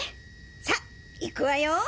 さあいくわよ！